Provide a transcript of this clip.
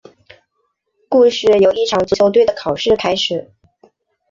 故事由一场足球队的考试开始。